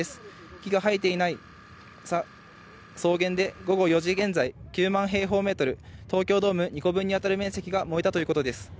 木が生えていない草原で、午後４時現在、９万平方メートル、東京ドーム２個分に当たる面積が燃えたということです。